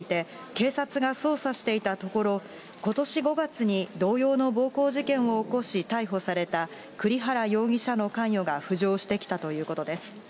現場周辺では同様の事件が数件起きていて、警察が捜査していたところ、ことし５月に同様の暴行事件を起こし逮捕された栗原容疑者の関与が浮上してきたということです。